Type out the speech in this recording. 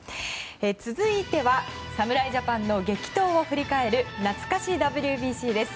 続いては侍ジャパンの激闘を振り返るなつか史ＷＢＣです。